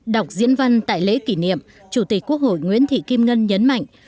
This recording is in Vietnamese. đọc diễn văn tại lễ kỷ niệm chủ tịch quốc hội nguyễn thị kim ngân nhấn mạnh